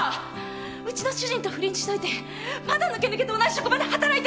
ウチの主人と不倫しといてまだぬけぬけと同じ職場で働いてるってわけ！？